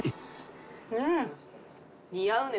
うん。